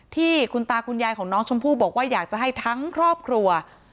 ที่คุณตาคุณยายของน้องชมพู่บอกว่าอยากจะให้ทั้งครอบครัว